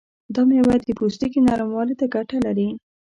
دا میوه د پوستکي نرموالي ته ګټه لري.